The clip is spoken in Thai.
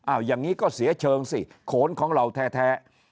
อ้าวอย่างงี้ก็เสียเชิงสิโขนของเราแท้แท้